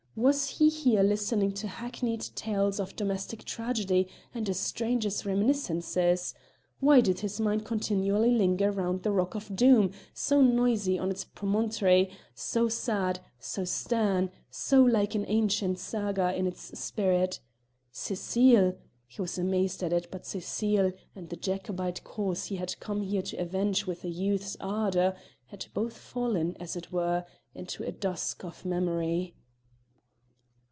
was he here listening to hackneyed tales of domestic tragedy and a stranger's reminiscences? Why did his mind continually linger round the rock of Doom, so noisy on its promontory, so sad, so stern, so like an ancient saga in its spirit? Cecile he was amazed at it, but Cecile, and the Jacobite cause he had come here to avenge with a youth's ardour, had both fallen, as it were, into a dusk of memory!